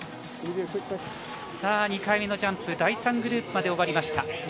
さあ２回目のジャンプ第３グループまで終わりました。